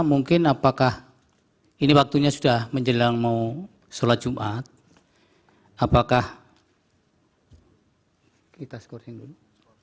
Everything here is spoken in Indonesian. mungkin apakah ini waktunya sudah menjelang mau sholat jumat apakah kita scoring dulu